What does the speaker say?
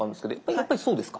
やっぱりそうですか？